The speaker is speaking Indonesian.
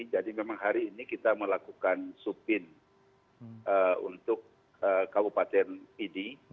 jadi memang hari ini kita melakukan supin untuk kabupaten pdi